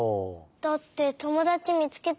だってともだちみつけたから。